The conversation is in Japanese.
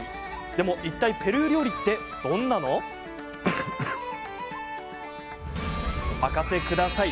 でも、いったいペルー料理ってどんなの？お任せください。